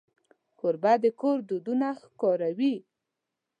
کوربه د کور دودونه ښکاروي.